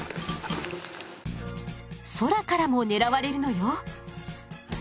空からも狙われるのよ。